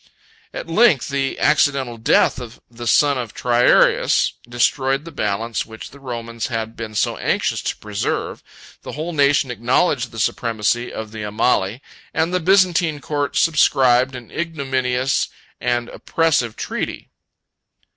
At length the accidental death of the son of Triarius 13 destroyed the balance which the Romans had been so anxious to preserve, the whole nation acknowledged the supremacy of the Amali, and the Byzantine court subscribed an ignominious and oppressive treaty.